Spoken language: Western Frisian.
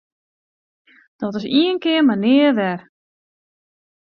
Dat is ien kear mar nea wer!